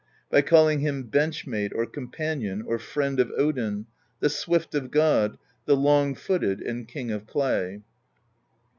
By calling him Bench Mate or Companion or Friend of Odin, the Swift of God, the Long Footed, and King of Clay.